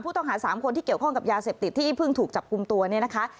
ต้องหา๓คนที่เกี่ยวข้องกับยาเสพติดที่เพิ่งถูกจับกลุ่มตัวเนี่ยนะคะ